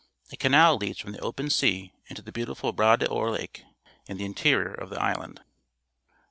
A canal leads from the open sea into the beautiful Bras d'Or Lake s arrd the interior of the isLand.